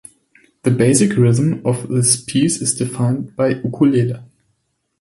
The basic rhythm of this piece is defined by Ukulele.